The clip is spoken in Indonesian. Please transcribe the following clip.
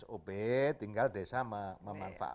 ob tinggal desa memanfaatkan